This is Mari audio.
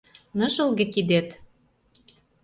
Ныжылге кидет?